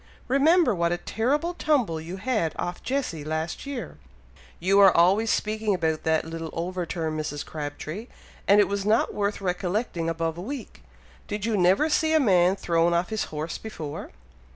Remember what a terrible tumble you had off Jessy last year!" "You are always speaking about that little overturn, Mrs. Crabtree; and it was not worth recollecting above a week! Did you never see a man thrown off his horse before?"